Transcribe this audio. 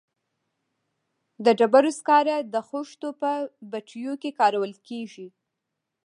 د ډبرو سکاره د خښتو په بټیو کې کارول کیږي